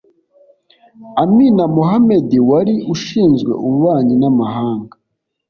Amina Mohamed wari ushinzwe ububanyi n’amahanga